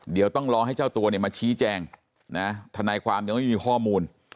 เดี๋ยวต้องรอให้เจ้าตัวเนี่ยมาชี้แจงนะทนายความยังไม่มีข้อมูล